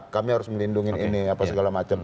kami harus melindungi ini apa segala macam